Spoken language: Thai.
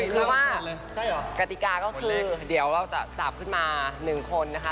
เพราะว่ากติกาก็คือเดี๋ยวเราจะสับขึ้นมา๑คนนะคะ